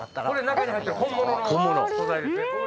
中に入ってる本物の素材ですね。